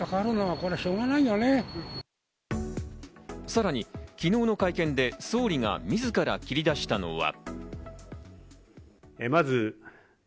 さらに昨日の会見で総理がみずから切り出したのは。